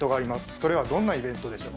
それはどんなイベントでしょう。